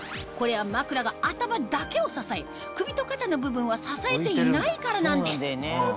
これはまくらが頭だけを支え首と肩の部分は支えていないからなんです